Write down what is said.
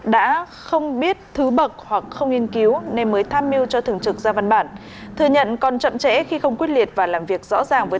và khẳng định không tranh công không đổ lỗi cho cấp dưới